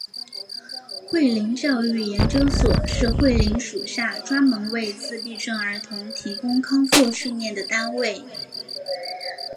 慧灵教育研究所是慧灵属下专门为自闭症儿童提供康复训练的单位。